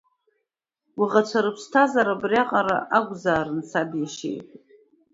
Уаӷацәа рыԥсҭазаара абри аҟара акәзаарын, саб иашьа, — иҳәеит.